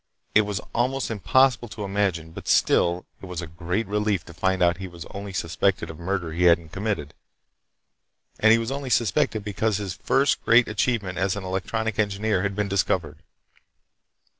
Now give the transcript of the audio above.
It was almost impossible to imagine, but still it was a great relief to find out he was only suspected of a murder he hadn't committed. And he was only suspected because his first great achievement as an electronic engineer had been discovered.